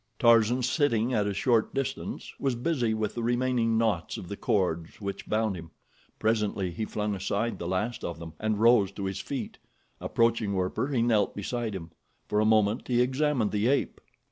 Tarzan, sitting at a short distance, was busy with the remaining knots of the cords which bound him. Presently he flung aside the last of them and rose to his feet. Approaching Werper he knelt beside him. For a moment he examined the ape.